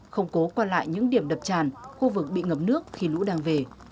không cố qua lại những điểm đập tràn khu vực bị ngập nước khi lũ đang về